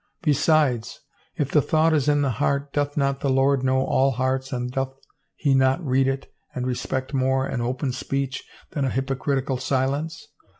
Besides, if the thought is in the heart doth not the Lx)rd know all hearts and doth he not read it and respect more an open speech than a hypocritical silence?